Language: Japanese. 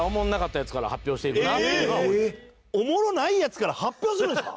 おもろないヤツから発表するんですか？